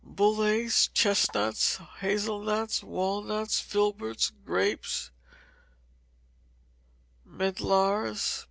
Bullace, chestnuts, hazel nuts, walnuts, filberts, grapes, medlars.